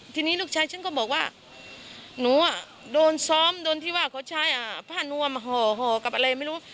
ทีนี้ลูกชายฉันก็บอกว่าหนูโดนซ้อมโดนที่ว่าเขาใช้ผ้านวมห่อกับอะไรไม่รู้